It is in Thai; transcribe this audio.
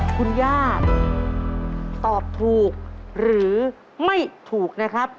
คุณย่าตอบถูกหรือไม่ถูกนะครับ